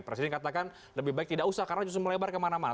presiden katakan lebih baik tidak usah karena justru melebar kemana mana